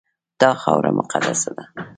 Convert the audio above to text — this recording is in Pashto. دا خاوره مقدسه ده.